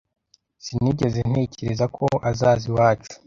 Sinigeze ntekereza ko azaza iwacu.